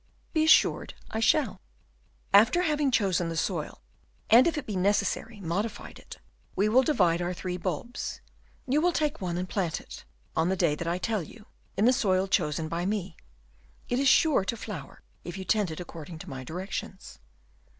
"Be assured I shall." "After having chosen the soil, and, if it be necessary, modified it, we will divide our three bulbs; you will take one and plant it, on the day that I will tell you, in the soil chosen by me. It is sure to flower, if you tend it according to my directions."